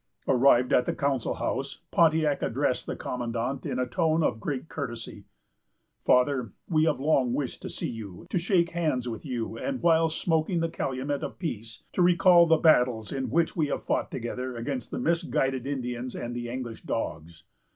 Arrived at the council house, Pontiac addressed the commandant in a tone of great courtesy: "Father, we have long wished to see you, to shake hands with you, and, whilst smoking the calumet of peace, to recall the battles in which we fought together against the misguided Indians and the English dogs.